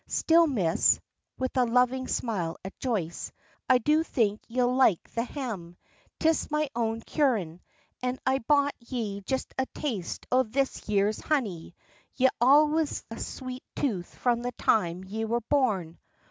Still, Miss," with a loving smile at Joyce, "I do think ye'll like the ham. 'Tis me own curing, an' I brought ye just a taste o' this year's honey; ye'd always a sweet tooth from the time ye were born."